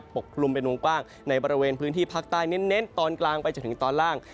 กลุ่มเป็นวงกว้างในบริเวณพื้นที่ภาคใต้เน้นตอนกลางไปจนถึงตอนล่าง